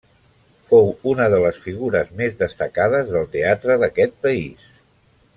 Fou una de les figures més destacades del teatre d'aquest país.